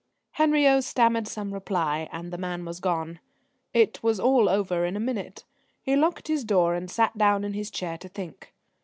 Henriot stammered some reply, and the man was gone. It was all over in a minute. He locked his door and sat down in his chair to think.